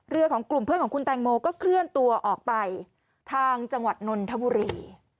ของกลุ่มเพื่อนของคุณแตงโมก็เคลื่อนตัวออกไปทางจังหวัดนนทบุรี